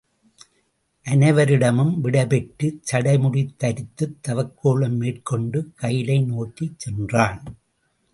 அனைவரிடமும் விடைபெற்றுச் சடைமுடி தரித்துத் தவக்கோலம் மேற்கொண்டு கயிலை நோக்கிச் சென்றான்.